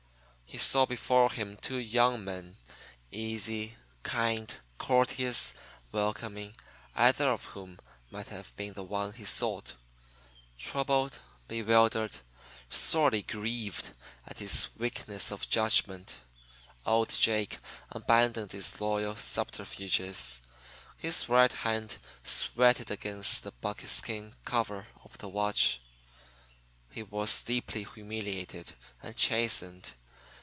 He saw before him two young men, easy, kind, courteous, welcoming, either of whom might have been the one he sought. Troubled, bewildered, sorely grieved at his weakness of judgment, old Jake abandoned his loyal subterfuges. His right hand sweated against the buckskin cover of the watch. He was deeply humiliated and chastened.